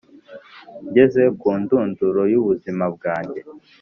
Ngeze ku ndunduro y’ubuzima bwanjye,